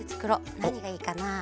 なにがいいかな。